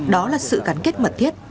đó là sự cắn kết mật thiết